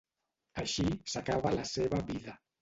Així s'acaba la seva vida.